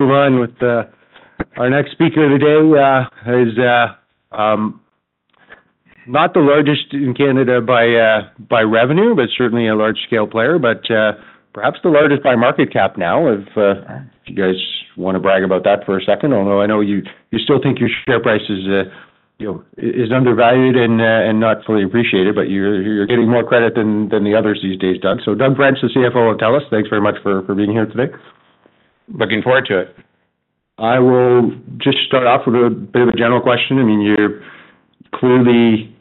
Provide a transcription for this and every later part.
Move on with our next speaker today, is not the largest in Canada by revenue, but certainly a large-scale player, but perhaps the largest by market cap now. If you guys want to brag about that for a second, although I know you still think your share price is, you know, is undervalued and not fully appreciated, but you're getting more credit than the others these days, Doug. So Doug French, the CFO of TELUS, thanks very much for being here today. Looking forward to it. I will just start off with a bit of a general question. I mean, you've clearly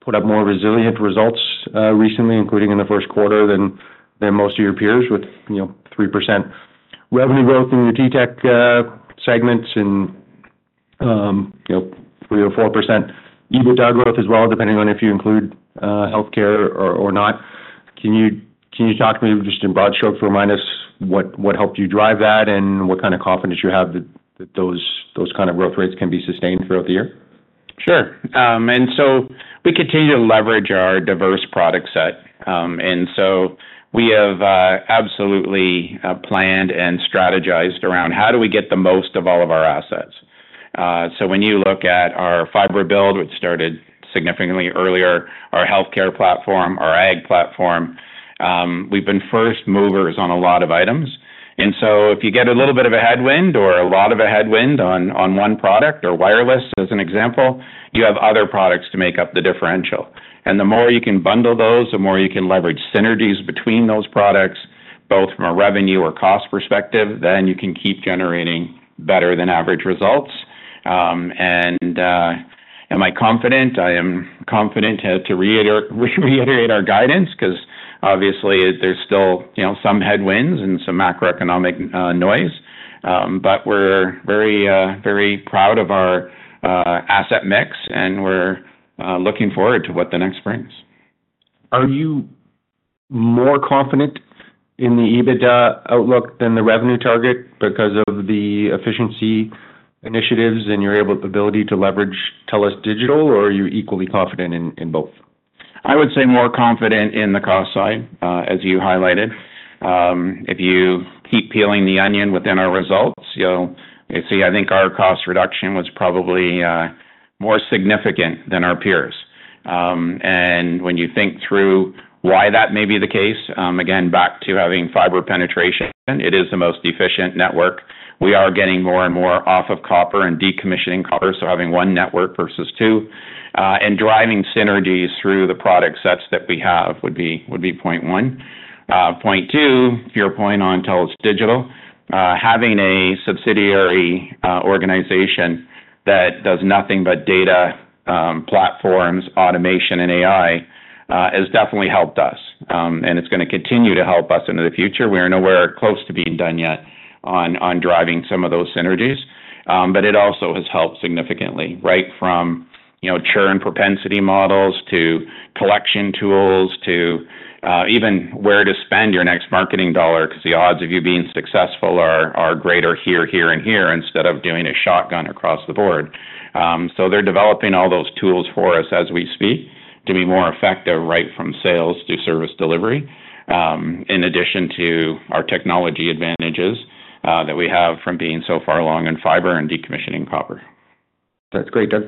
put up more resilient results recently, including in the first quarter than most of your peers with, you know, 3% revenue growth in your TTEC segments and, you know, 3% or 4% EBITDA growth as well, depending on if you include healthcare or not. Can you talk to me just in broad strokes to remind us what helped you drive that and what kind of confidence you have that those kind of growth rates can be sustained throughout the year? Sure. We continue to leverage our diverse product set. We have, absolutely, planned and strategized around how do we get the most of all of our assets. When you look at our fiber build, which started significantly earlier, our healthcare platform, our ag platform, we've been first movers on a lot of items. If you get a little bit of a headwind or a lot of a headwind on one product, or wireless as an example, you have other products to make up the differential. The more you can bundle those, the more you can leverage synergies between those products, both from a revenue or cost perspective, then you can keep generating better than average results. Am I confident? I am confident to reiterate our guidance because obviously there's still, you know, some headwinds and some macroeconomic noise. We're very, very proud of our asset mix and we're looking forward to what the next brings. Are you more confident in the EBITDA outlook than the revenue target because of the efficiency initiatives and your ability to leverage TELUS Digital, or are you equally confident in, in both? I would say more confident in the cost side, as you highlighted. If you keep peeling the onion within our results, you'll see, I think our cost reduction was probably more significant than our peers. When you think through why that may be the case, again, back to having fiber penetration, it is the most efficient network. We are getting more and more off of copper and decommissioning copper, so having one network versus two, and driving synergies through the product sets that we have would be, would be point one. Point two, to your point on TELUS Digital, having a subsidiary organization that does nothing but data, platforms, automation, and AI, has definitely helped us. It is going to continue to help us into the future. We're nowhere close to being done yet on driving some of those synergies. but it also has helped significantly, right from, you know, churn propensity models to collection tools to, even where to spend your next marketing dollar because the odds of you being successful are greater here, here, and here instead of doing a shotgun across the board. They are developing all those tools for us as we speak to be more effective right from sales to service delivery, in addition to our technology advantages, that we have from being so far along in fiber and decommissioning copper. That's great, Doug.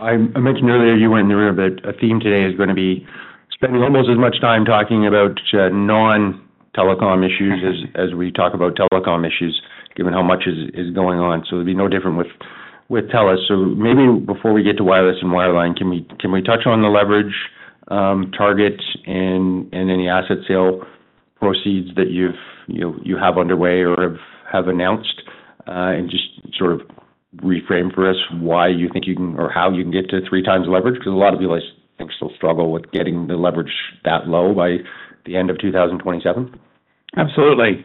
I mentioned earlier you were in the room that a theme today is going to be spending almost as much time talking about non-telecom issues as we talk about telecom issues, given how much is going on. It will be no different with TELUS. Maybe before we get to wireless and wireline, can we touch on the leverage targets and any asset sale proceeds that you have underway or have announced, and just sort of reframe for us why you think you can or how you can get to three times leverage? Because a lot of people I think still struggle with getting the leverage that low by the end of 2027. Absolutely.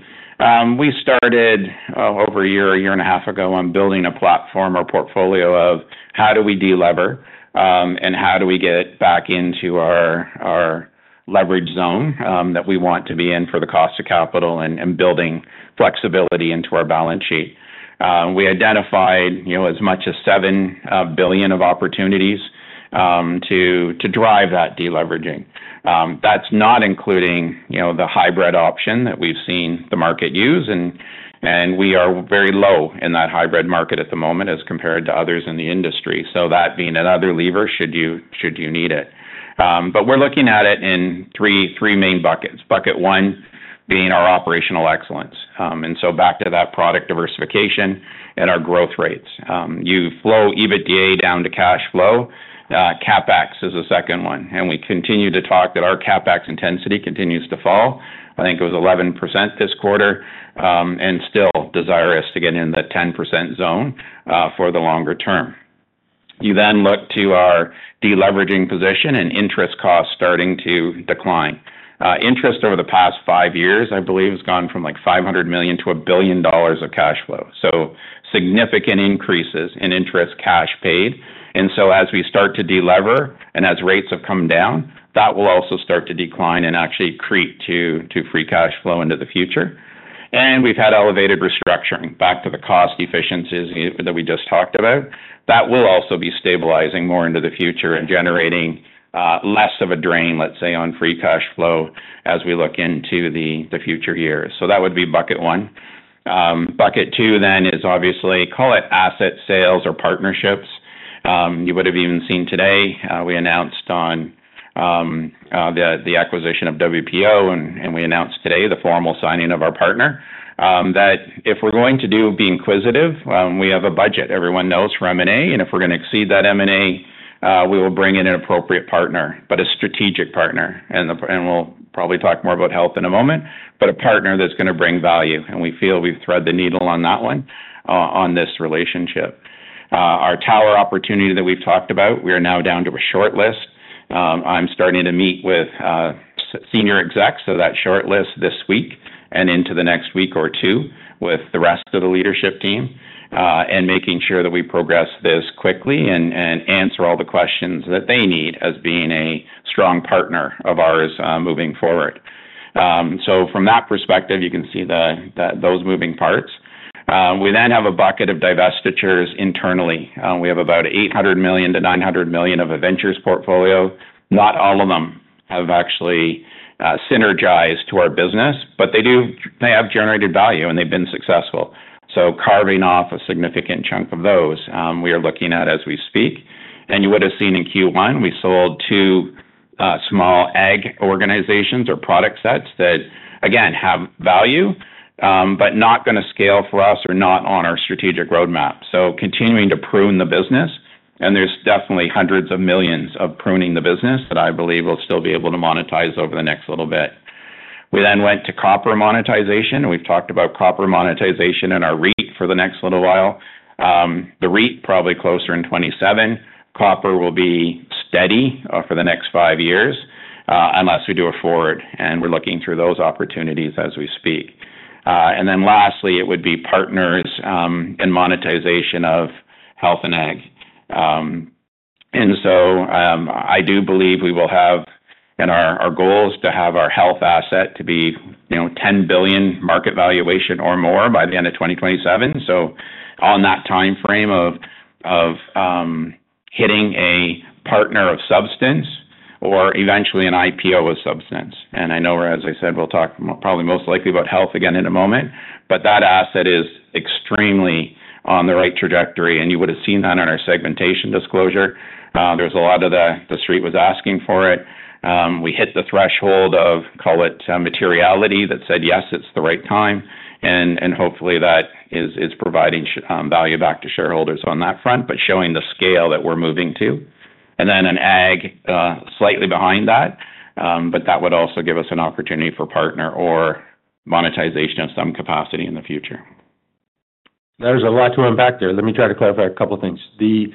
We started over a year, a year and a half ago on building a platform or portfolio of how do we delever, and how do we get back into our leverage zone that we want to be in for the cost of capital and building flexibility into our balance sheet. We identified, you know, as much as 7 billion of opportunities to drive that deleveraging. That is not including, you know, the hybrid option that we have seen the market use, and we are very low in that hybrid market at the moment as compared to others in the industry. That being another lever should you need it. We are looking at it in three main buckets. Bucket one being our operational excellence. And so back to that product diversification and our growth rates. You flow EBITDA down to cash flow, CapEx is a second one. We continue to talk that our CapEx intensity continues to fall. I think it was 11% this quarter, and still desirous to get in the 10% zone for the longer term. You then look to our deleveraging position and interest costs starting to decline. Interest over the past five years, I believe, has gone from like 500 million to 1 billion dollars of cash flow. Significant increases in interest cash paid. As we start to delever and as rates have come down, that will also start to decline and actually creep to free cash flow into the future. We have had elevated restructuring back to the cost efficiencies that we just talked about. That will also be stabilizing more into the future and generating less of a drain, let's say, on free cash flow as we look into the future years. That would be bucket one. Bucket two then is obviously, call it asset sales or partnerships. You would have even seen today, we announced on the acquisition of Workplace Options, and we announced today the formal signing of our partner, that if we're going to be inquisitive, we have a budget everyone knows for M&A, and if we're going to exceed that M&A, we will bring in an appropriate partner, but a strategic partner. We will probably talk more about health in a moment, but a partner that's going to bring value. We feel we've thread the needle on that one, on this relationship. Our tower opportunity that we've talked about, we are now down to a short list. I'm starting to meet with senior execs of that short list this week and into the next week or two with the rest of the leadership team, and making sure that we progress this quickly and answer all the questions that they need as being a strong partner of ours, moving forward. From that perspective, you can see those moving parts. We then have a bucket of divestitures internally. We have about 800 million-900 million of a ventures portfolio. Not all of them have actually synergized to our business, but they do, they have generated value and they've been successful. Carving off a significant chunk of those, we are looking at as we speak. You would have seen in Q1, we sold two small ag organizations or product sets that, again, have value, but not going to scale for us or not on our strategic roadmap. Continuing to prune the business, and there are definitely hundreds of millions of pruning the business that I believe we will still be able to monetize over the next little bit. We then went to copper monetization. We have talked about copper monetization and our REIT for the next little while. The REIT is probably closer in 2027. Copper will be steady for the next five years, unless we do a forward, and we are looking through those opportunities as we speak. Lastly, it would be partners and monetization of health and ag. I do believe we will have in our goals to have our health asset to be, you know, 10 billion market valuation or more by the end of 2027. On that timeframe of hitting a partner of substance or eventually an IPO of substance. I know, as I said, we'll talk probably most likely about health again in a moment, but that asset is extremely on the right trajectory. You would have seen that on our segmentation disclosure. There is a lot of the street was asking for it. We hit the threshold of, call it, materiality that said, yes, it's the right time. Hopefully that is providing value back to shareholders on that front, but showing the scale that we're moving to. In ag, slightly behind that, but that would also give us an opportunity for partner or monetization of some capacity in the future. There's a lot to unpack there. Let me try to clarify a couple of things. The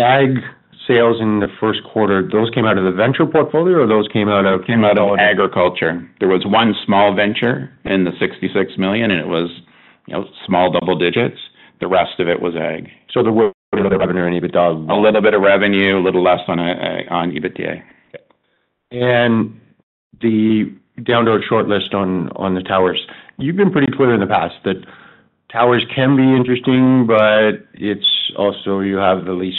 ag sales in the first quarter, those came out of the venture portfolio or those came out of agriculture? Came out of agriculture. There was one small venture in the 66 million, and it was, you know, small double digits. The rest of it was ag. There was a little bit of revenue in EBITDA. A little bit of revenue, a little less on EBITDA. The downward shortlist on the towers, you've been pretty clear in the past that towers can be interesting, but also you have the least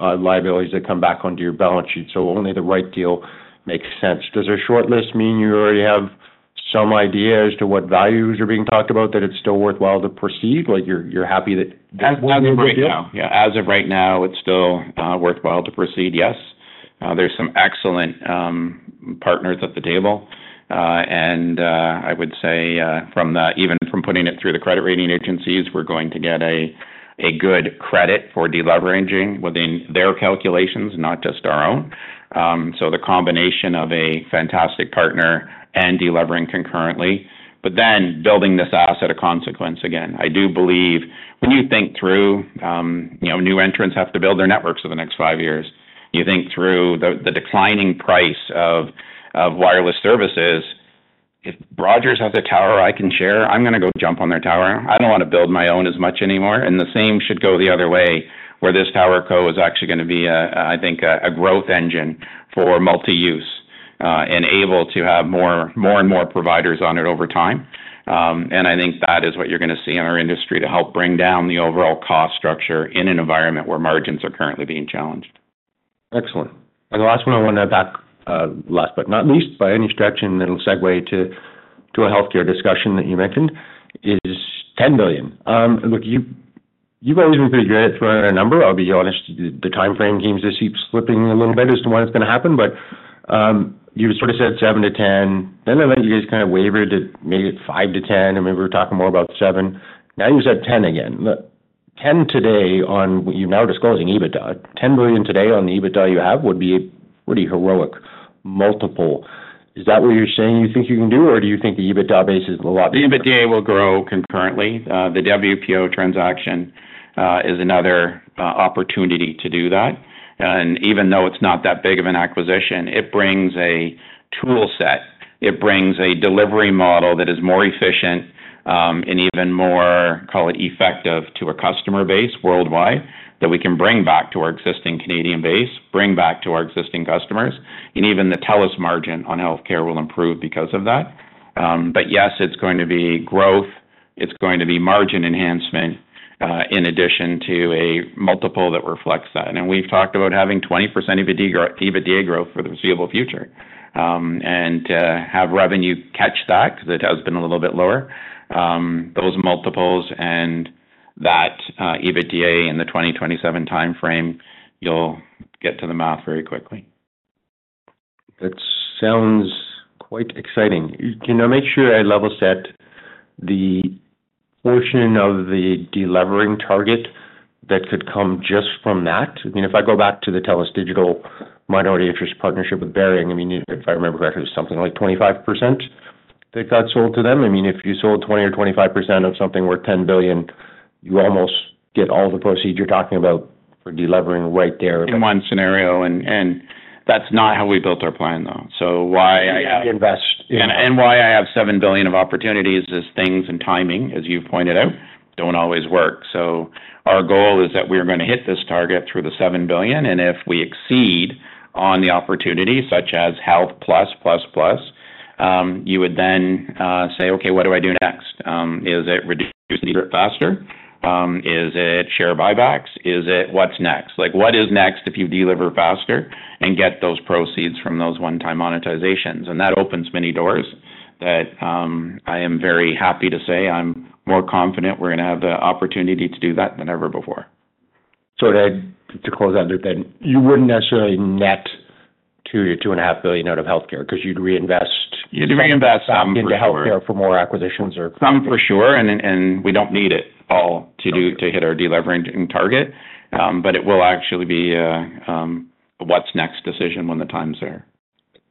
liabilities that come back onto your balance sheet. Only the right deal makes sense. Does a shortlist mean you already have some idea as to what values are being talked about, that it's still worthwhile to proceed? Like, you're happy that this is a great deal? As of right now, yeah. As of right now, it's still worthwhile to proceed, yes. There are some excellent partners at the table. I would say, even from putting it through the credit rating agencies, we're going to get a good credit for deleveraging within their calculations, not just our own. The combination of a fantastic partner and delivering concurrently, but then building this asset a consequence again. I do believe when you think through, you know, new entrants have to build their networks over the next five years. You think through the declining price of wireless services, if Rogers has a tower I can share, I'm going to go jump on their tower. I do not want to build my own as much anymore. The same should go the other way where this tower code is actually going to be, I think, a growth engine for multi-use, and able to have more and more providers on it over time. I think that is what you are going to see in our industry to help bring down the overall cost structure in an environment where margins are currently being challenged. Excellent. The last one I want to know back, last but not least by any stretch, and it will segue to a healthcare discussion that you mentioned is 10 billion. Look, you have always been pretty good at throwing a number. I'll be honest, the timeframe seems to keep slipping a little bit as to when it is going to happen, but you sort of said 7-10. Then I thought you guys kind of wavered at maybe 5-10, and maybe we are talking more about 7. Now you said 10 again. Look, 10 today on what you have now disclosing EBITDA, 10 billion today on the EBITDA you have would be a pretty heroic multiple. Is that what you are saying you think you can do, or do you think the EBITDA base is a lot bigger? The EBITDA will grow concurrently. The WPO transaction is another opportunity to do that. Even though it's not that big of an acquisition, it brings a tool set. It brings a delivery model that is more efficient, and even more, call it, effective to a customer base worldwide that we can bring back to our existing Canadian base, bring back to our existing customers. Even the TELUS margin on healthcare will improve because of that. Yes, it's going to be growth. It's going to be margin enhancement, in addition to a multiple that reflects that. We've talked about having 20% EBITDA growth for the foreseeable future, and to have revenue catch that because it has been a little bit lower. Those multiples and that EBITDA in the 2027 timeframe, you'll get to the math very quickly. That sounds quite exciting. Can I make sure I level set the portion of the delevering target that could come just from that? I mean, if I go back to the TELUS Digital minority interest partnership with Bering, I mean, if I remember correctly, it was something like 25% that got sold to them. I mean, if you sold 20% or 25% of something worth 10 billion, you almost get all the proceeds you're talking about for delevering right there. In one scenario, and that's not how we built our plan, though. Why I invest in, and why I have 7 billion of opportunities is things and timing, as you've pointed out, do not always work. Our goal is that we're going to hit this target through the 7 billion. If we exceed on the opportunity such as health plus, plus, plus, you would then say, okay, what do I do next? Is it reduce needed faster? Is it share buybacks? Is it what's next? Like what is next if you deliver faster and get those proceeds from those one-time monetizations? That opens many doors that I am very happy to say I'm more confident we're going to have the opportunity to do that than ever before. To close that loop then, you wouldn't necessarily net 2 billion or 2.5 billion out of healthcare because you'd reinvest. You'd reinvest some into healthcare. For more acquisitions or. Some for sure. We don't need it all to do to hit our deleveraging target. It will actually be a what's next decision when the time's there.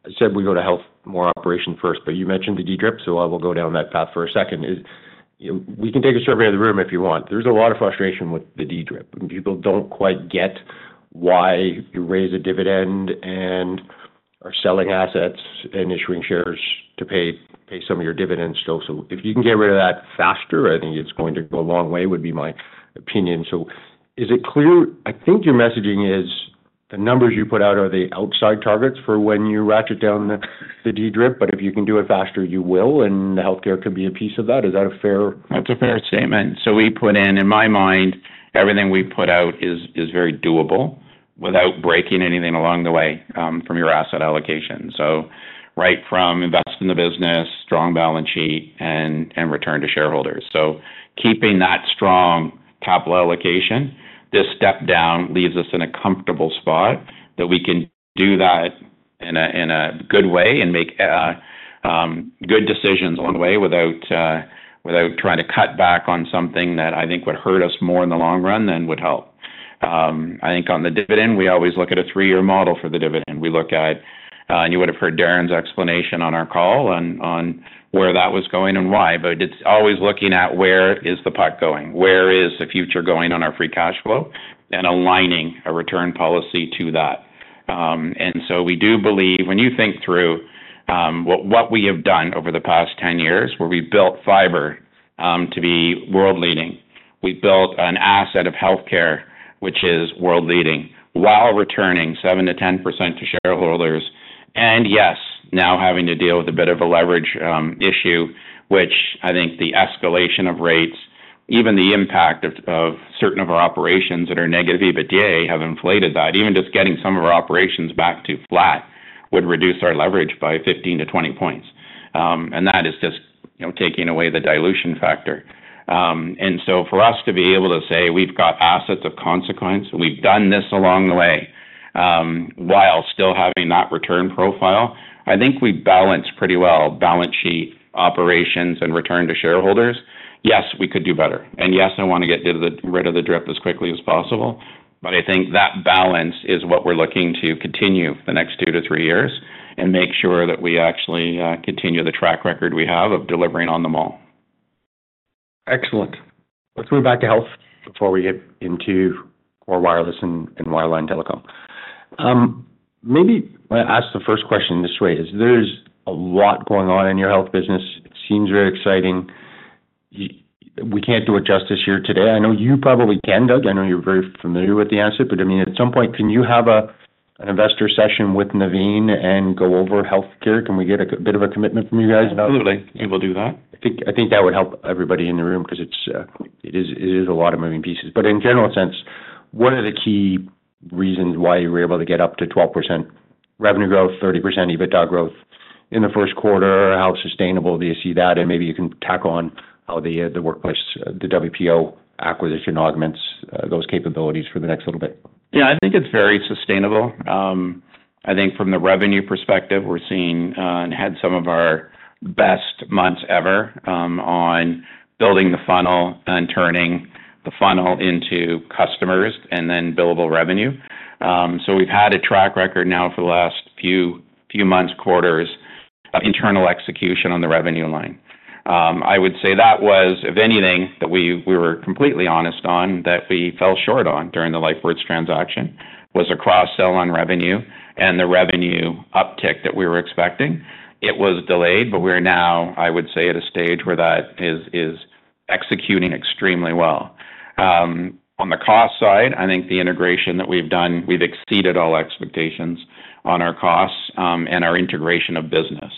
I said we go to health more operation first, but you mentioned the DDRIP. I will go down that path for a second. You know, we can take a survey of the room if you want. There's a lot of frustration with the DDRIP. People do not quite get why you raise a dividend and are selling assets and issuing shares to pay some of your dividends still. If you can get rid of that faster, I think it is going to go a long way would be my opinion. Is it clear? I think your messaging is the numbers you put out are the outside targets for when you ratchet down the DDRIP, but if you can do it faster, you will, and the healthcare could be a piece of that. Is that fair? That's a fair statement. We put in, in my mind, everything we put out is very doable without breaking anything along the way, from your asset allocation. Right from investing the business, strong balance sheet, and return to shareholders. Keeping that strong capital allocation, this step down leaves us in a comfortable spot that we can do that in a good way and make good decisions along the way without trying to cut back on something that I think would hurt us more in the long run than would help. I think on the dividend, we always look at a three-year model for the dividend. We look at, and you would have heard Darren's explanation on our call and on where that was going and why, but it's always looking at where is the puck going? Where is the future going on our free cash flow and aligning a return policy to that? We do believe when you think through what we have done over the past 10 years where we built fiber to be world leading, we built an asset of healthcare, which is world leading while returning 7%-10% to shareholders. Yes, now having to deal with a bit of a leverage issue, which I think the escalation of rates, even the impact of certain of our operations that are negative EBITDA, have inflated that. Even just getting some of our operations back to flat would reduce our leverage by 15-20 percentage points. That is just, you know, taking away the dilution factor. For us to be able to say we've got assets of consequence, we've done this along the way, while still having that return profile, I think we balance pretty well balance sheet operations and return to shareholders. Yes, we could do better. Yes, I want to get rid of the DRIP as quickly as possible. I think that balance is what we're looking to continue the next two to three years and make sure that we actually continue the track record we have of delivering on them all. Excellent. Let's move back to health before we get into core wireless and wireline telecom. Maybe I ask the first question this way. Is there's a lot going on in your health business. It seems very exciting. We can't do it justice here today. I know you probably can, Doug. I know you're very familiar with the answer, but I mean, at some point, can you have an investor session with Naveen and go over healthcare? Can we get a bit of a commitment from you guys? Absolutely. We will do that. I think that would help everybody in the room because it is a lot of moving pieces. In general sense, what are the key reasons why you were able to get up to 12% revenue growth, 30% EBITDA growth in the first quarter? How sustainable do you see that? Maybe you can tack on how the WPO acquisition augments those capabilities for the next little bit. Yeah, I think it's very sustainable. I think from the revenue perspective, we're seeing, and had some of our best months ever, on building the funnel and turning the funnel into customers and then billable revenue. We've had a track record now for the last few months, quarters of internal execution on the revenue line. I would say that was, if anything, that we were completely honest on that we fell short on during the LifeWorks transaction was a cross-sell on revenue and the revenue uptick that we were expecting. It was delayed, but we're now, I would say, at a stage where that is executing extremely well. On the cost side, I think the integration that we've done, we've exceeded all expectations on our costs, and our integration of business.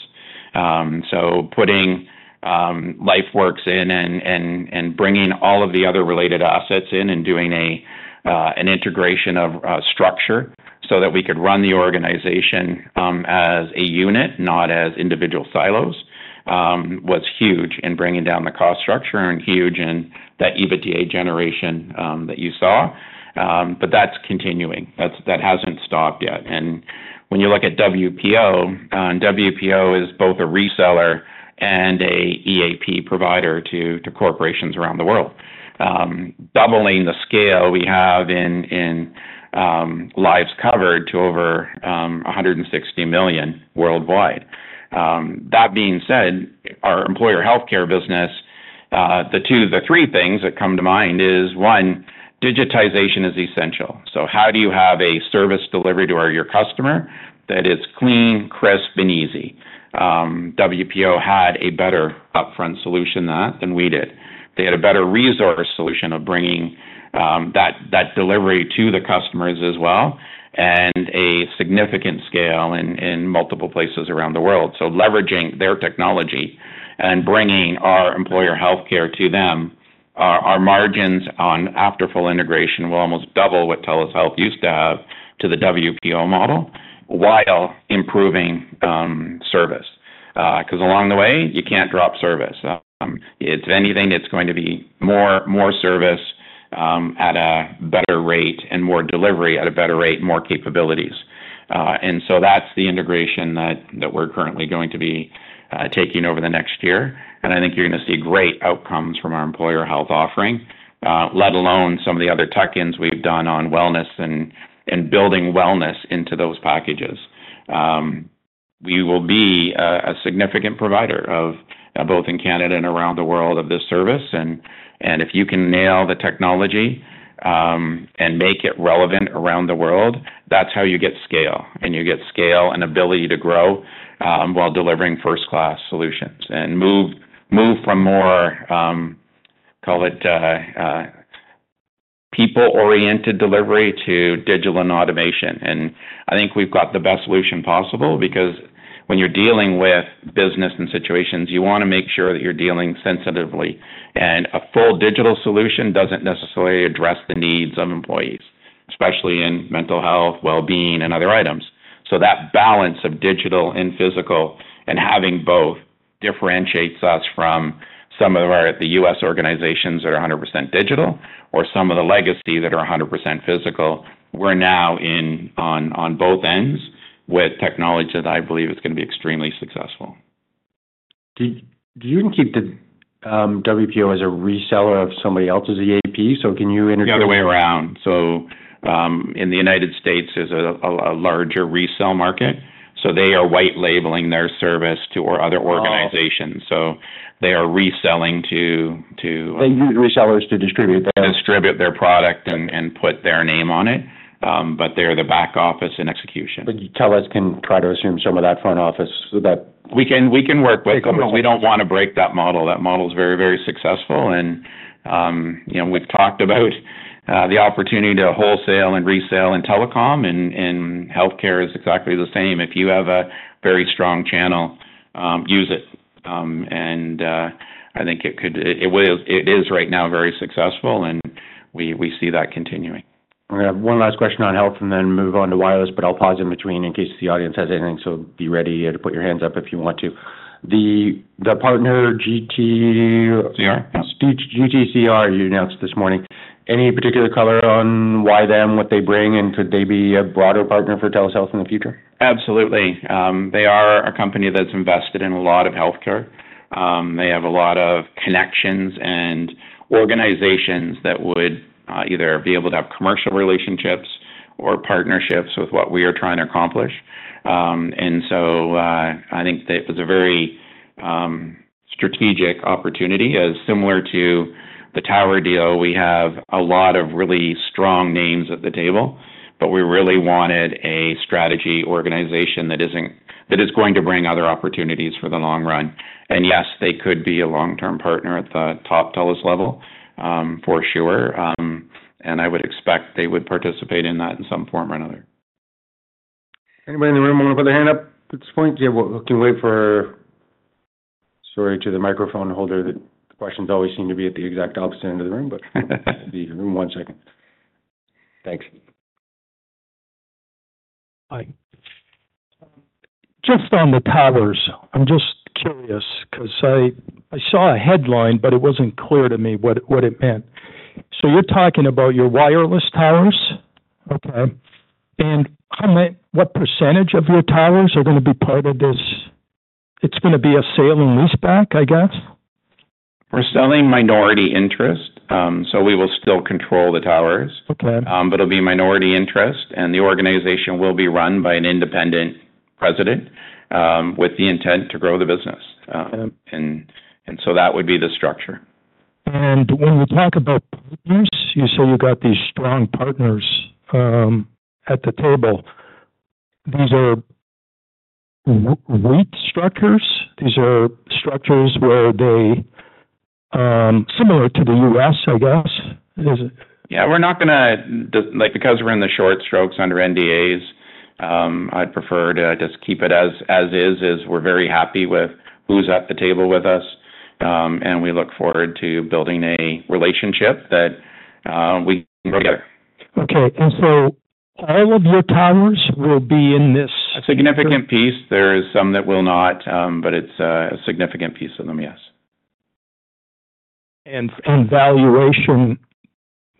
Putting Lifeworks in and bringing all of the other related assets in and doing an integration of structure so that we could run the organization as a unit, not as individual silos, was huge in bringing down the cost structure and huge in that EBITDA generation that you saw. That is continuing. That has not stopped yet. When you look at WPO, WPO is both a reseller and an EAP provider to corporations around the world, doubling the scale we have in lives covered to over 160 million worldwide. That being said, our employer healthcare business, the two, the three things that come to mind is one, digitization is essential. How do you have a service delivery to your customer that is clean, crisp, and easy? WPO had a better upfront solution than that, than we did. They had a better resource solution of bringing that delivery to the customers as well and a significant scale in multiple places around the world. Leveraging their technology and bringing our employer healthcare to them, our margins on after full integration will almost double what TELUS Health used to have to the WPO model while improving service. Because along the way, you can't drop service. If anything, it's going to be more service, at a better rate and more delivery at a better rate, more capabilities. That is the integration that we're currently going to be taking over the next year. I think you're going to see great outcomes from our employer health offering, let alone some of the other tuck-ins we've done on wellness and building wellness into those packages. We will be a significant provider of, both in Canada and around the world, of this service. If you can nail the technology and make it relevant around the world, that is how you get scale and you get scale and ability to grow, while delivering first-class solutions and move from more, call it, people-oriented delivery to digital and automation. I think we have got the best solution possible because when you are dealing with business and situations, you want to make sure that you are dealing sensitively and a full digital solution does not necessarily address the needs of employees, especially in mental health, well-being, and other items. That balance of digital and physical and having both differentiates us from some of our U.S. organizations that are 100% digital or some of the legacy that are 100% physical. We're now in on both ends with technology that I believe is going to be extremely successful. Did you even keep the WPO as a reseller of somebody else's EAP? Can you interject? The other way around. In the United States, there's a larger resell market. They are white labeling their service to other organizations. They are reselling to. They use resellers to distribute their. Distribute their product and put their name on it, but they're the back office and execution. TELUS can try to assume some of that front office that. We can work with them. We do not want to break that model. That model is very, very successful. You know, we have talked about the opportunity to wholesale and resell, and telecom and healthcare is exactly the same. If you have a very strong channel, use it. I think it could, it will, it is right now very successful, and we see that continuing. I have one last question on health and then move on to wireless, but I'll pause in between in case the audience has anything. So be ready to put your hands up if you want to. The partner GTCR. CR. GTCR you announced this morning. Any particular color on why them, what they bring, and could they be a broader partner for TELUS Health in the future? Absolutely. They are a company that's invested in a lot of healthcare. They have a lot of connections and organizations that would either be able to have commercial relationships or partnerships with what we are trying to accomplish. I think that it was a very strategic opportunity, as similar to the tower deal. We have a lot of really strong names at the table, but we really wanted a strategy organization that is going to bring other opportunities for the long run. Yes, they could be a long-term partner at the top TELUS level, for sure. I would expect they would participate in that in some form or another. Anybody in the room want to put their hand up at this point? Yeah, we can wait for, sorry, to the microphone holder. The questions always seem to be at the exact opposite end of the room, but give me one second. Thanks. Hi. Just on the towers, I'm just curious because I saw a headline, but it wasn't clear to me what it meant. You're talking about your wireless towers? Okay. How many, what percentage of your towers are going to be part of this? It's going to be a sale and lease back, I guess? We're selling minority interest, so we will still control the towers. Okay. It'll be minority interest and the organization will be run by an independent president, with the intent to grow the business. That would be the structure. When you talk about partners, you say you got these strong partners at the table. These are weight structures? These are structures where they, similar to the U.S., I guess? Yeah, we're not going to, like, because we're in the short strokes under NDAs, I'd prefer to just keep it as is, as we're very happy with who's at the table with us. We look forward to building a relationship that we can go together. Okay. And so all of your towers will be in this. A significant piece. There is some that will not, but it's a significant piece of them, yes. And valuation.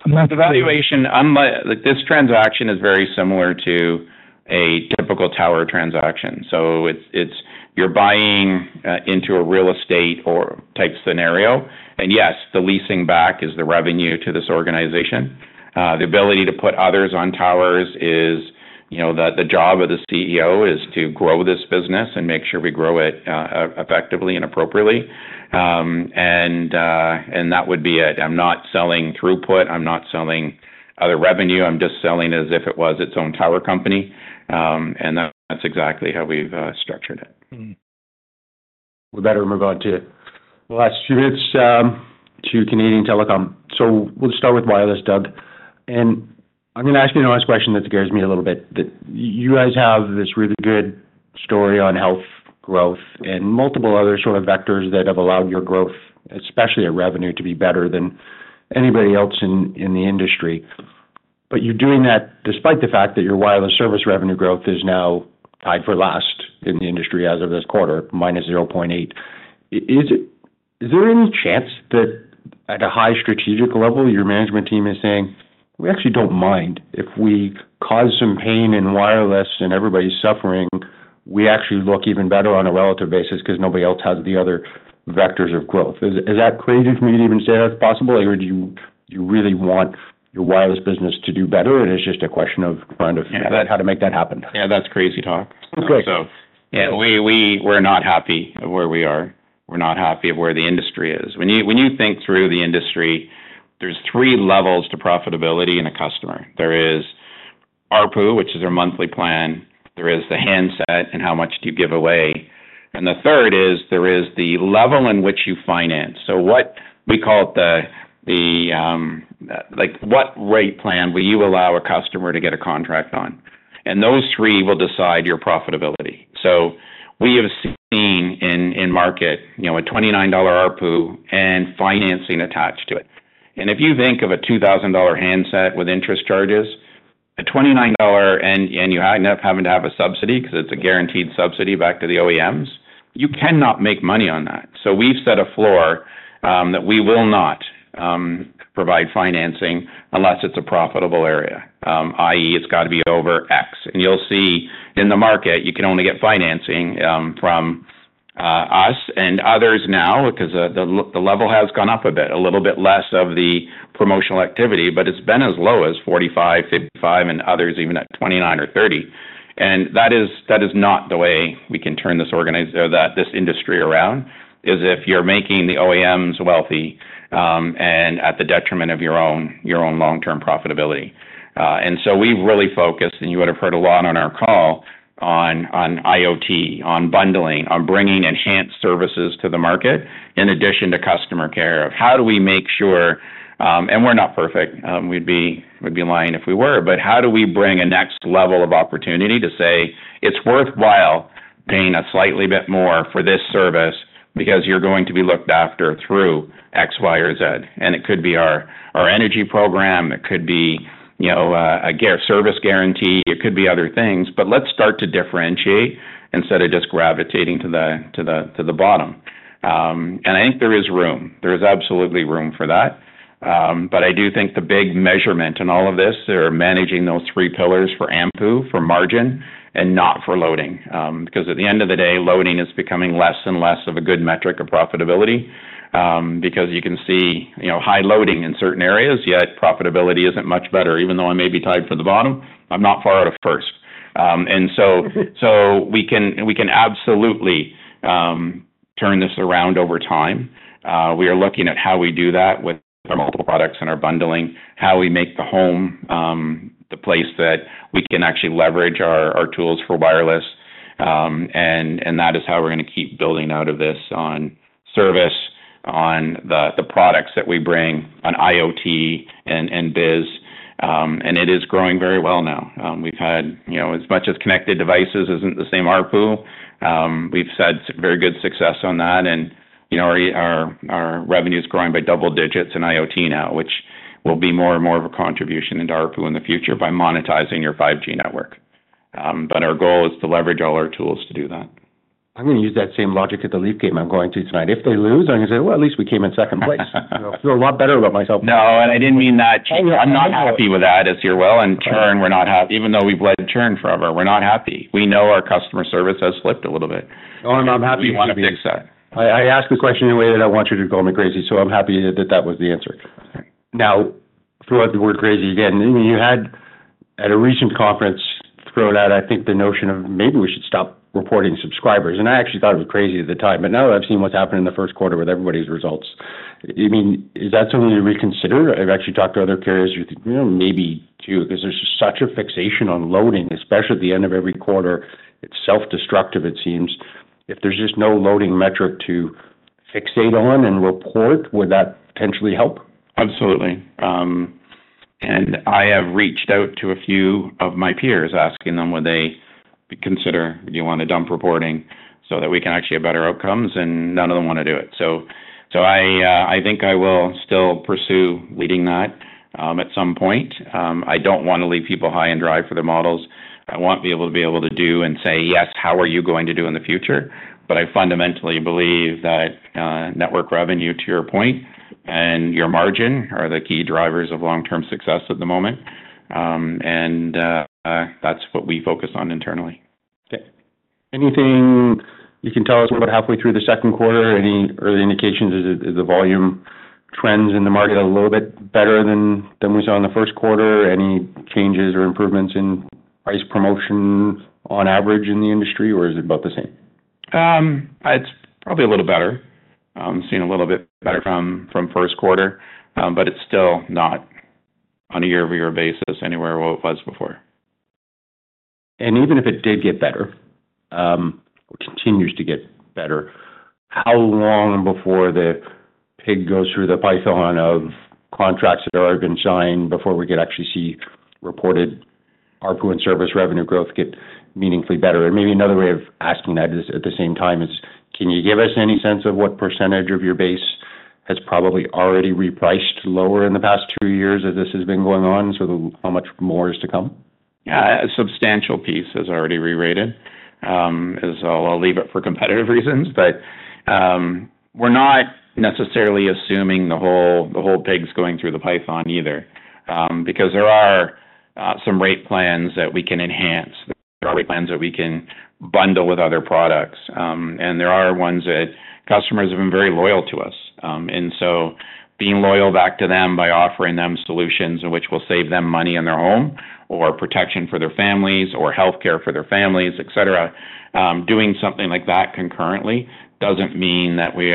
The valuation, unlike this transaction, is very similar to a typical tower transaction. It is, you are buying into a real estate or type scenario. Yes, the leasing back is the revenue to this organization. The ability to put others on towers is, you know, the job of the CEO is to grow this business and make sure we grow it effectively and appropriately. That would be it. I am not selling throughput. I am not selling other revenue. I am just selling as if it was its own tower company. That is exactly how we have structured it. We better move on to the last few minutes, to Canadian telecom. We'll start with wireless, Doug. I'm going to ask you the last question that scares me a little bit. You guys have this really good story on health growth and multiple other sort of vectors that have allowed your growth, especially at revenue, to be better than anybody else in the industry. You're doing that despite the fact that your wireless service revenue growth is now tied for last in the industry as of this quarter, -0.8%. Is it, is there any chance that at a high strategic level, your management team is saying, "We actually don't mind if we cause some pain in wireless and everybody's suffering. We actually look even better on a relative basis because nobody else has the other vectors of growth"? Is that crazy for me to even say that's possible? Or do you really want your wireless business to do better? Or is it just a question of trying to figure out how to make that happen? Yeah, that's crazy talk. Okay. Yeah, we were not happy of where we are. We're not happy of where the industry is. When you think through the industry, there's three levels to profitability and a customer. There is ARPU, which is our monthly plan. There is the handset and how much do you give away. The third is there is the level in which you finance. What we call it, like what rate plan will you allow a customer to get a contract on? Those three will decide your profitability. We have seen in market, you know, a $29 ARPU and financing attached to it. If you think of a $2,000 handset with interest charges, a $29, and you end up having to have a subsidy because it's a guaranteed subsidy back to the OEMs, you cannot make money on that. We have set a floor, that we will not provide financing unless it is a profitable area, i.e., it has to be over X. You will see in the market, you can only get financing from us and others now because the level has gone up a bit, a little bit less of the promotional activity, but it has been as low as 45, 55, and others even at 29 or 30. That is not the way we can turn this organization or this industry around if you are making the OEMs wealthy, and at the detriment of your own long-term profitability. We have really focused, and you would have heard a lot on our call on IoT, on bundling, on bringing enhanced services to the market in addition to customer care of how do we make sure, and we are not perfect. We'd be lying if we were, but how do we bring a next level of opportunity to say it's worthwhile paying a slightly bit more for this service because you're going to be looked after through X, Y, or Z. It could be our energy program. It could be, you know, a service guarantee. It could be other things. Let's start to differentiate instead of just gravitating to the bottom. I think there is room. There is absolutely room for that. I do think the big measurement in all of this, they're managing those three pillars for ARPU, for margin, and not for loading. Because at the end of the day, loading is becoming less and less of a good metric of profitability, because you can see, you know, high loading in certain areas, yet profitability isn't much better. Even though I may be tied for the bottom, I'm not far out of first. We can absolutely turn this around over time. We are looking at how we do that with our multiple products and our bundling, how we make the home the place that we can actually leverage our tools for wireless. That is how we're going to keep building out of this on service, on the products that we bring, on IoT and biz. It is growing very well now. We've had, you know, as much as connected devices isn't the same ARPU, we've had very good success on that. You know, our revenue is growing by double digits in IoT now, which will be more and more of a contribution into ARPU in the future by monetizing your 5G network. Our goal is to leverage all our tools to do that. I'm going to use that same logic at the Leaf game I'm going to tonight. If they lose, I'm going to say, "At least we came in second place." Feel a lot better about myself. No, and I did not mean that. I'm not happy with that as you are well. And churn, we're not happy. Even though we've led churn forever, we're not happy. We know our customer service has slipped a little bit. Oh, and I'm happy you want to be sick. I asked the question in a way that I want you to call me crazy. I am happy that that was the answer. Now, throw out the word crazy again. You had at a recent conference thrown out, I think, the notion of maybe we should stop reporting subscribers. I actually thought it was crazy at the time, but now that I have seen what has happened in the first quarter with everybody's results, you mean, is that something to reconsider? I have actually talked to other carriers, you know, maybe too, because there is just such a fixation on loading, especially at the end of every quarter. It is self-destructive, it seems. If there is just no loading metric to fixate on and report, would that potentially help? Absolutely. I have reached out to a few of my peers asking them, would they consider, do you want to dump reporting so that we can actually have better outcomes? None of them want to do it. I think I will still pursue leading that at some point. I do not want to leave people high and dry for the models. I want people to be able to do and say, "Yes, how are you going to do in the future?" I fundamentally believe that network revenue, to your point, and your margin are the key drivers of long-term success at the moment. That is what we focus on internally. Okay. Anything you can tell us about halfway through the second quarter? Any early indications? Is the volume trends in the market a little bit better than we saw in the first quarter? Any changes or improvements in price promotion on average in the industry, or is it about the same? It's probably a little better. I'm seeing a little bit better from first quarter, but it's still not on a year-over-year basis anywhere where it was before. Even if it did get better, or continues to get better, how long before the pig goes through the python of contracts that have already been signed before we could actually see reported ARPU and service revenue growth get meaningfully better? Maybe another way of asking that is at the same time, can you give us any sense of what percentage of your base has probably already repriced lower in the past two years as this has been going on? How much more is to come? Yeah, a substantial piece has already re-rated. I'll leave it for competitive reasons, but we're not necessarily assuming the whole, the whole pig's going through the python either, because there are some rate plans that we can enhance, rate plans that we can bundle with other products, and there are ones that customers have been very loyal to us. Being loyal back to them by offering them solutions in which will save them money in their home or protection for their families or healthcare for their families, et cetera, doing something like that concurrently does not mean that we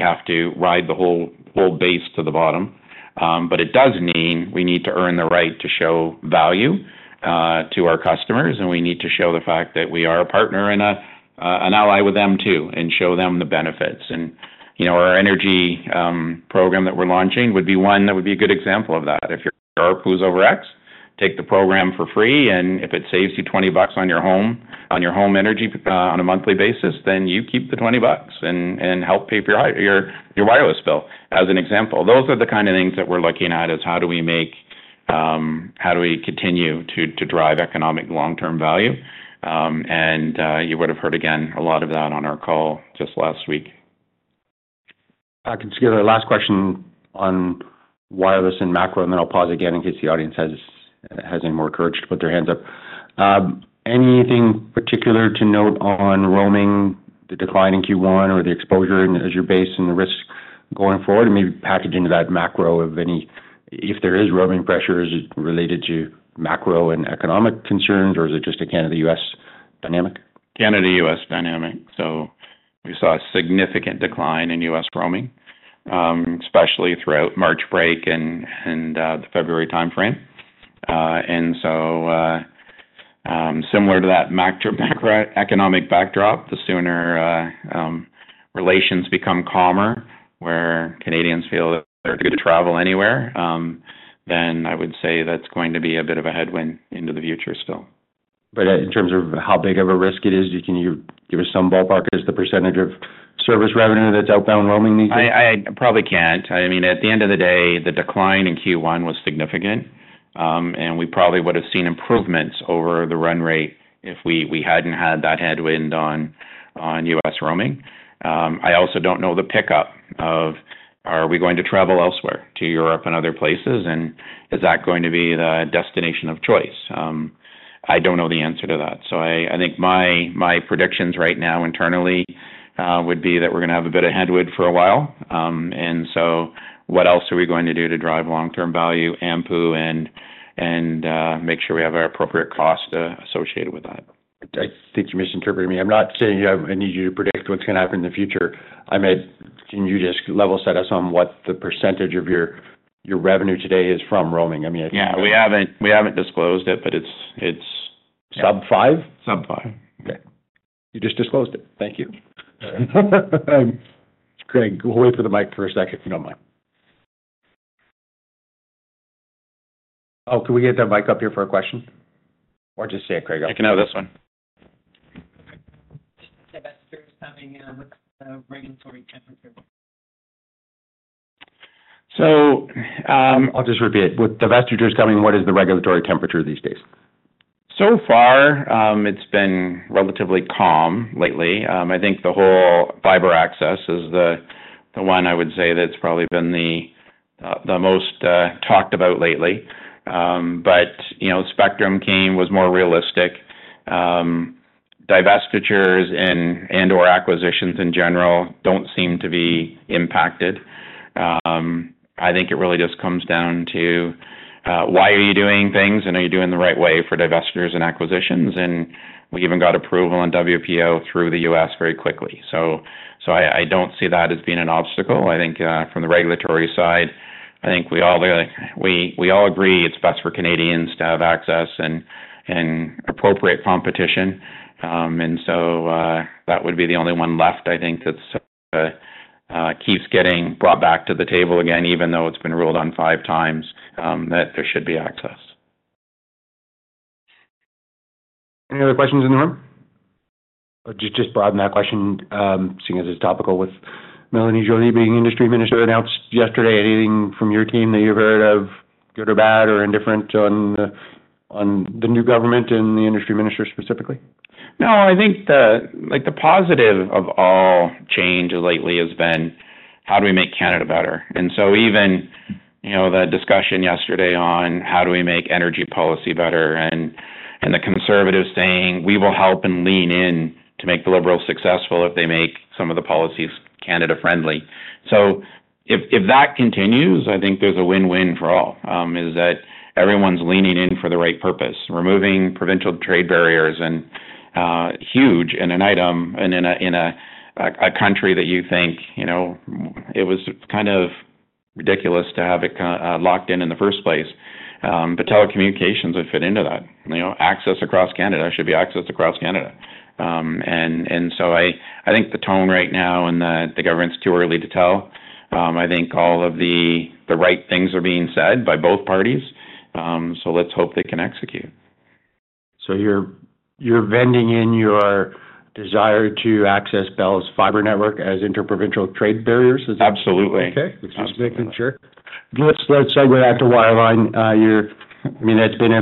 have to ride the whole base to the bottom. but it does mean we need to earn the right to show value to our customers, and we need to show the fact that we are a partner and an ally with them too, and show them the benefits. And, you know, our energy program that we're launching would be one that would be a good example of that. If your ARPU is over X, take the program for free. And if it saves you $20 on your home, on your home energy, on a monthly basis, then you keep the $20 and help pay for your wireless bill as an example. Those are the kind of things that we're looking at is how do we make, how do we continue to drive economic long-term value? and, you would have heard again a lot of that on our call just last week. I can just give a last question on wireless and macro, and then I'll pause again in case the audience has any more courage to put their hands up. Anything particular to note on roaming, the decline in Q1 or the exposure as your base and the risk going forward, and maybe package into that macro of any, if there is roaming pressure, is it related to macro and economic concerns, or is it just a Canada-U.S. dynamic? Canada-U.S. dynamic. We saw a significant decline in U.S. roaming, especially throughout March break and the February timeframe. Similar to that macroeconomic backdrop, the sooner relations become calmer where Canadians feel that they're good to travel anywhere, then I would say that's going to be a bit of a headwind into the future still. In terms of how big of a risk it is, can you give us some ballpark as the percentage of service revenue that's outbound roaming these days? I probably can't. I mean, at the end of the day, the decline in Q1 was significant, and we probably would have seen improvements over the run rate if we hadn't had that headwind on U.S. roaming. I also don't know the pickup of, are we going to travel elsewhere to Europe and other places, and is that going to be the destination of choice? I don't know the answer to that. I think my predictions right now internally would be that we're going to have a bit of headwind for a while. What else are we going to do to drive long-term value, ARPU, and make sure we have our appropriate cost associated with that? I think you misinterpreted me. I'm not saying I need you to predict what's going to happen in the future. I meant, can you just level set us on what the percentage of your revenue today is from roaming? I mean. Yeah, we haven't disclosed it, but it's sub five. Sub five. Okay. You just disclosed it. Thank you. Greg, we'll wait for the mic for a second. You don't mind. Oh, can we get that mic up here for a question? Or just say it, Greg. I can have this one. Regulatory temperature. I'll just repeat it. With Sylvester just coming, what is the regulatory temperature these days? So far, it's been relatively calm lately. I think the whole fiber access is the one I would say that's probably been the most talked about lately. You know, Spectrum came, was more realistic. Divestitures and and/or acquisitions in general don't seem to be impacted. I think it really just comes down to why are you doing things, and are you doing the right way for divestitures and acquisitions? We even got approval on WPO through the U.S. very quickly. I don't see that as being an obstacle. I think, from the regulatory side, I think we all agree it's best for Canadians to have access and appropriate competition. That would be the only one left, I think, that keeps getting brought back to the table again, even though it's been ruled on five times, that there should be access. Any other questions in the room? Just broaden that question, seeing as it's topical with Melanie Joly being Industry Minister announced yesterday. Anything from your team that you've heard of, good or bad or indifferent on the new government and the Industry Minister specifically? No, I think the, like the positive of all change lately has been how do we make Canada better? And so even, you know, the discussion yesterday on how do we make energy policy better, and the conservatives saying we will help and lean in to make the liberals successful if they make some of the policies Canada friendly. If that continues, I think there's a win-win for all, is that everyone's leaning in for the right purpose, removing provincial trade barriers, and huge in an item and in a country that you think, you know, it was kind of ridiculous to have it locked in in the first place. Telecommunications would fit into that. You know, access across Canada should be access across Canada. I think the tone right now and the government's too early to tell. I think all of the right things are being said by both parties. Let's hope they can execute. You're vending in your desire to access Bell's fiber network as interprovincial trade barriers? Absolutely. Okay. Just making sure. Let's segue back to Wireline. I mean, it's been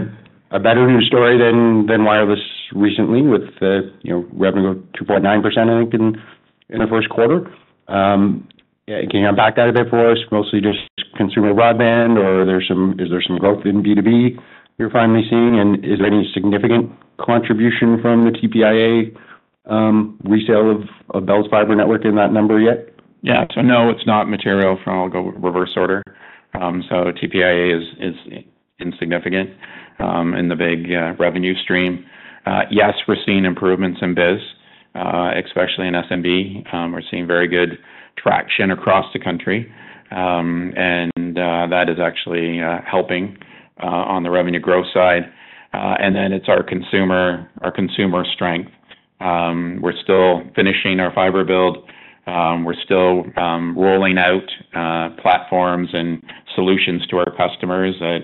a better news story than wireless recently with the, you know, revenue of 2.9% I think, in the first quarter. Can you unpack that a bit for us? Mostly just consumer broadband, or is there some growth in B2B you're finally seeing? Is there any significant contribution from the TPIA resale of Bell's fiber network in that number yet? Yeah. No, it's not material from, I'll go reverse order. TPIA is insignificant in the big revenue stream. Yes, we're seeing improvements in biz, especially in SMB. We're seeing very good traction across the country, and that is actually helping on the revenue growth side. It's our consumer, our consumer strength. We're still finishing our fiber build. We're still rolling out platforms and solutions to our customers that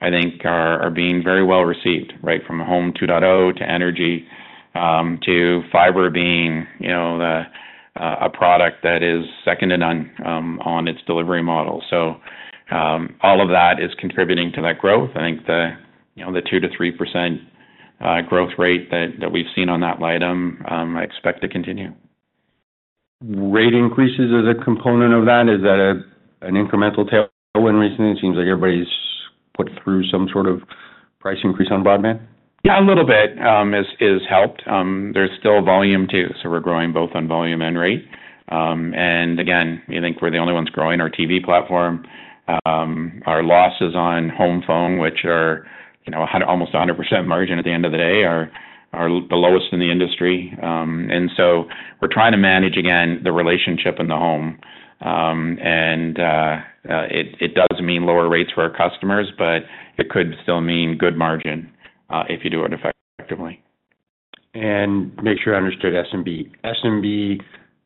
I think are being very well received, right, from Home 2.0 to energy, to fiber being, you know, a product that is second to none on its delivery model. All of that is contributing to that growth. I think the 2%-3% growth rate that we've seen on that item, I expect to continue. Rate increases as a component of that? Is that an incremental tailwind recently? It seems like everybody's put through some sort of price increase on broadband. Yeah, a little bit is helped. There's still volume too. So we're growing both on volume and rate. And again, I think we're the only ones growing our TV platform. Our losses on home phone, which are, you know, almost 100% margin at the end of the day, are the lowest in the industry. And so we're trying to manage again the relationship in the home. It does mean lower rates for our customers, but it could still mean good margin if you do it effectively. Make sure I understood SMB. SMB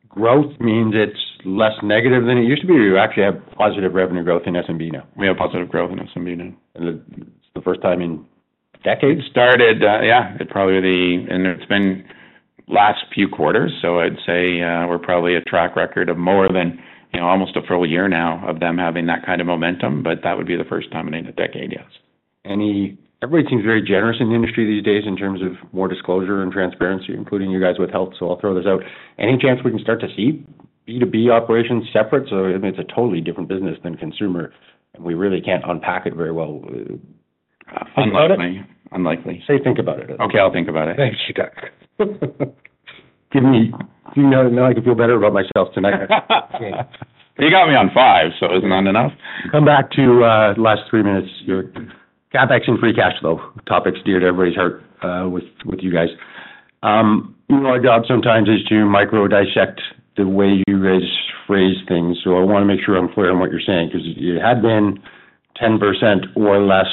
growth means it's less negative than it used to be? Or you actually have positive revenue growth in SMB now? We have positive growth in SMB now. Is it the first time in decades? It started, yeah, it probably the, and it's been last few quarters. I'd say we're probably a track record of more than, you know, almost a full year now of them having that kind of momentum, but that would be the first time in a decade, yes. Any, everybody seems very generous in the industry these days in terms of more disclosure and transparency, including you guys with health. I'll throw this out. Any chance we can start to see B2B operations separate? I mean, it's a totally different business than consumer, and we really can't unpack it very well. Unlikely. Say think about it. Okay, I'll think about it. Thank you, Doug. Give me, you know, now I can feel better about myself tonight. You got me on five, so isn't that enough? Come back to the last three minutes. Your CapEx and free cash flow topics dear to everybody's heart, with you guys. You know, our job sometimes is to microdissect the way you guys phrase things. I want to make sure I'm clear on what you're saying, because it had been 10% or less,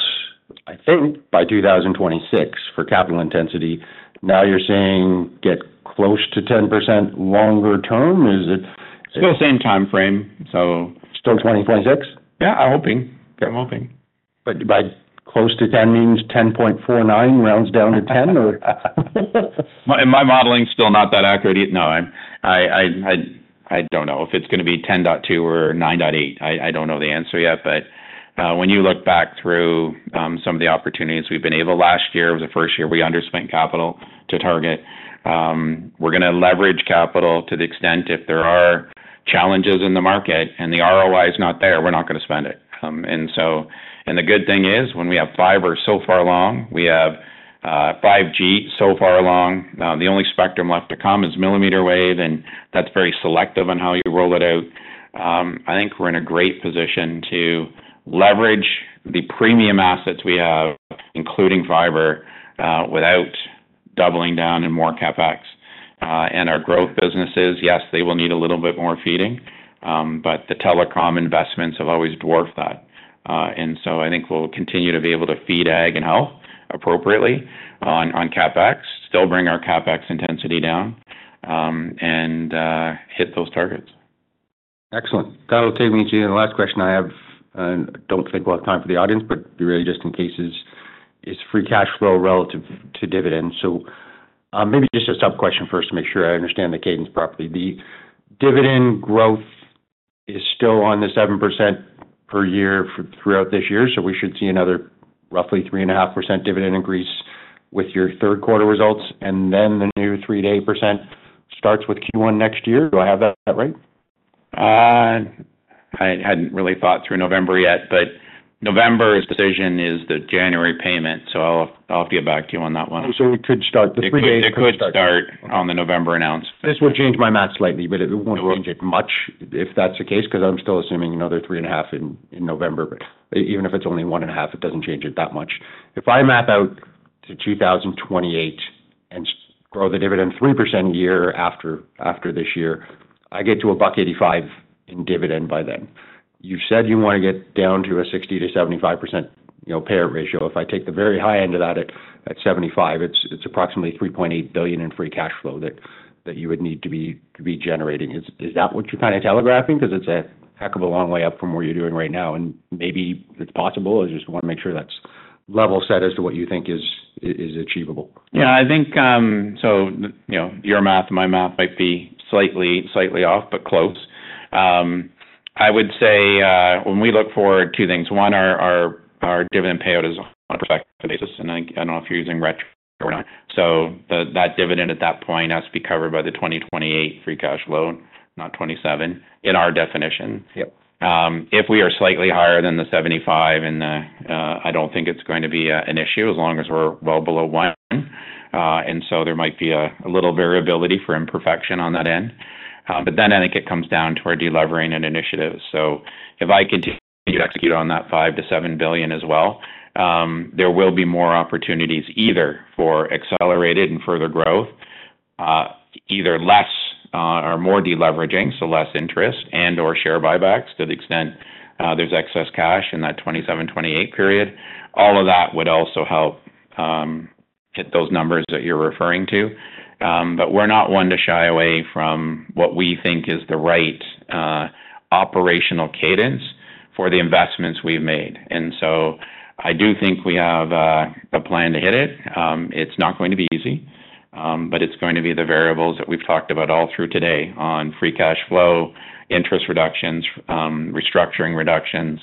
I think, by 2026 for capital intensity. Now you're saying get close to 10% longer term? Is it? It's still the same timeframe. So. Still 2026? Yeah, I'm hoping. I'm hoping. But by close to 10 means 10.49 rounds down to 10? My modeling's still not that accurate. No, I don't know if it's going to be 10.2 or 9.8. I don't know the answer yet, but, when you look back through, some of the opportunities we've been able last year, it was the first year we underspent capital to target. We're going to leverage capital to the extent if there are challenges in the market and the ROI is not there, we're not going to spend it. The good thing is when we have fiber so far along, we have 5G so far along. Now the only spectrum left to come is millimeter wave, and that's very selective on how you roll it out. I think we're in a great position to leverage the premium assets we have, including fiber, without doubling down and more CapEx. and our growth businesses, yes, they will need a little bit more feeding. The telecom investments have always dwarfed that. I think we'll continue to be able to feed ag and health appropriately on CapEx, still bring our CapEx intensity down, and hit those targets. Excellent. That'll take me to the last question I have. I don't think we'll have time for the audience, but really just in cases, is free cash flow relative to dividends? Maybe just a sub-question first to make sure I understand the cadence properly. The dividend growth is still on the 7% per year for throughout this year. We should see another roughly 3.5% dividend increase with your third quarter results. The new 3%-8% starts with Q1 next year. Do I have that right? I hadn't really thought through November yet, but November's decision is the January payment. I'll have to get back to you on that one. We could start the 3%-8% It's a good start on the November announcement. This would change my math slightly, but it will not change it much if that is the case, because I am still assuming another 3.5% in November. Even if it is only 1.5%, it does not change it that much. If I map out to 2028 and grow the dividend 3% a year after this year, I get to $1.85 in dividend by then. You said you want to get down to a 60-75% payout ratio. If I take the very high end of that at 75%, it is approximately 3.8 billion in free cash flow that you would need to be generating. Is that what you are kind of telegraphing? Because it is a heck of a long way up from where you are doing right now. Maybe it's possible. I just want to make sure that's level set as to what you think is achievable. Yeah, I think, you know, your math and my math might be slightly off, but close. I would say, when we look forward to things, one, our dividend payout is on a perfect basis. I don't know if you're using retro or not. That dividend at that point has to be covered by the 2028 free cash flow, not 2027 in our definition. Yep. If we are slightly higher than the 75 and the, I do not think it is going to be an issue as long as we are well below one. There might be a little variability for imperfection on that end. I think it comes down to our delivering and initiatives. If I continue to execute on that 5 billion-7 billion as well, there will be more opportunities either for accelerated and further growth, either less or more deleveraging, so less interest and/or share buybacks to the extent there is excess cash in that 2027, 2028 period. All of that would also help hit those numbers that you are referring to. We are not one to shy away from what we think is the right operational cadence for the investments we have made. I do think we have a plan to hit it. It's not going to be easy, but it's going to be the variables that we've talked about all through today on free cash flow, interest reductions, restructuring reductions,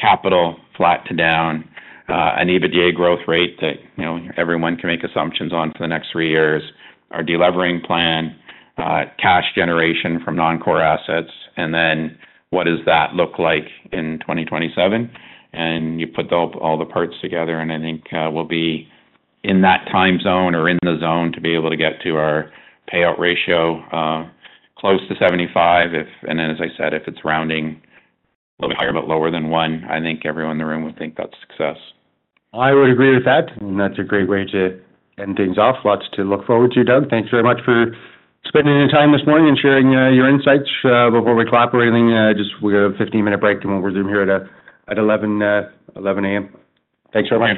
capital flat to down, an EBITDA growth rate that, you know, everyone can make assumptions on for the next three years, our delivering plan, cash generation from non-core assets, and then what does that look like in 2027? You put all the parts together, and I think we'll be in that time zone or in the zone to be able to get to our payout ratio, close to 75%. If, and then as I said, if it's rounding a little bit higher, but lower than one, I think everyone in the room would think that's success. I would agree with that. That's a great way to end things off. Lots to look forward to, Doug. Thanks very much for spending the time this morning and sharing your insights. Before we clap or anything, just, we got a 15-minute break and we'll resume here at 11:00 A.M. Thanks very much.